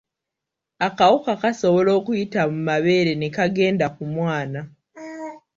Akawuka kasoboka okuyita mu mabeere ne kagenda mu mwana.